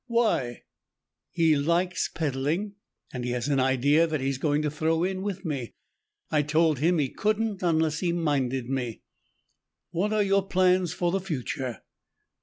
"Why?" "He likes peddling, and he has an idea that he's going to throw in with me. I told him he couldn't unless he minded me." "What are your plans for the future?"